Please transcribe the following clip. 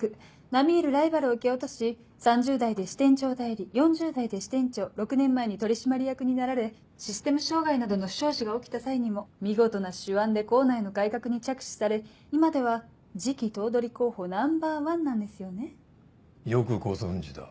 並み居るライバルを蹴落とし３０代で支店長代理４０代で支店長６年前に取締役になられシステム障害などの不祥事が起きた際にも見事な手腕で行内の改革に着手され今では次期頭取候補ナンバーワンなんですよね。よくご存じだ。